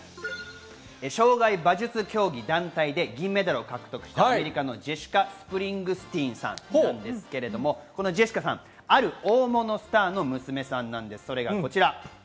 障害馬術競技団体で銀メダルを獲得しましたアメリカのジェシカ・スプリングスティーンさんですが、ジェシカさん、ある大物スターの娘さんです。